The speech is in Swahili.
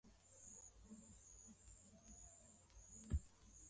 ndiyo kama hivyo Nitakwambia kwa nini tumejikuta kwenye hali hii kuwa muuaji tumemjua